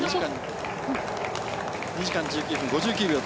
２時間１９分５９秒。